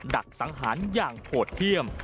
ดักสังหารอย่างโหดเที่ยม